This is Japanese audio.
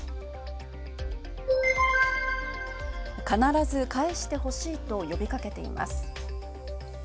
必ず返して欲しいと呼びかけています。